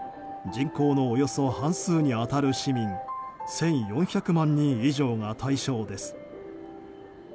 人口のおよそ半数に当たる市民１４００万人以上が対象です。